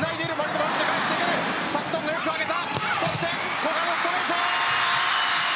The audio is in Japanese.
古賀のストレート。